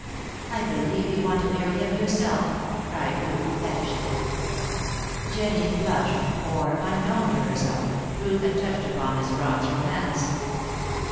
"I believe you want to marry him yourself," cried Ruth, pettishly. Jennie flushed, for, unknown to herself, Ruth had touched upon Miss Brawn's romance.